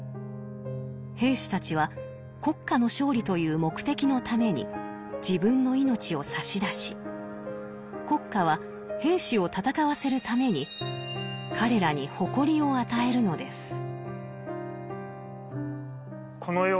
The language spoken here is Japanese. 兵士たちは国家の勝利という目的のために自分の命を差し出し国家は兵士を戦わせるために彼らに誇りを与えるのです。